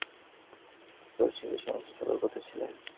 কী করছিলে সমস্ত সকাল, কোথায় ছিলে।